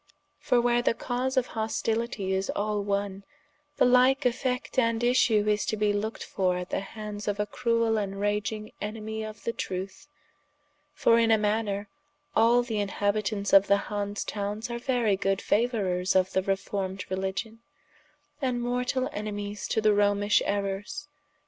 For where the cause of hostilitie is all one, the like effect and issue is to be looked for at the hands of a cruell and raging enemie of the trueth: for in a maner, all the inhabitants of the Hanse Townes are very good fauourers of the reformed Religion, and mortall enemies to the Romish errors.